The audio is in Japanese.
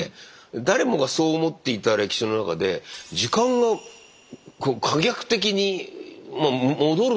誰もがそう思っていた歴史の中で時間が可逆的に戻るということ自体が。